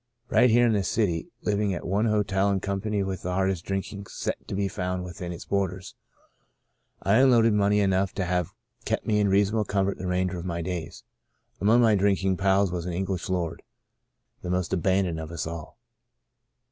Right here in this city, living at one hotel in company with the hardest drinking set to be found within its borders, I unloaded money enough to have kept me in reasonable comfort the remainder of my days. Among my drinking pals was an English lord — the most abandoned of us all.